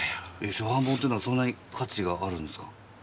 初版本ってのはそんなに価値があるんですか？